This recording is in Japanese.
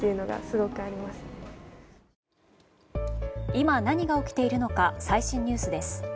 今、何が起きているのか最新ニュースです。